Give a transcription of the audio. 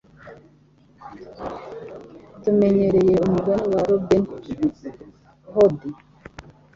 Tumenyereye umugani wa Robin Hood.